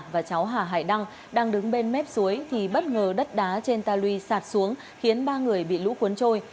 và cháu hà hải đăng đang đứng bên mép suối thì bất ngờ đất đá trên ta lui sạt xuống khiến ba người bị lũ cuốn trôi